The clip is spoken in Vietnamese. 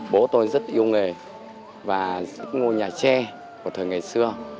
bố tôi rất yêu nghề và ngôi nhà tre của thời ngày xưa